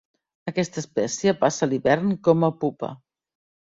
Aquesta espècie passa l'hivern com a pupa.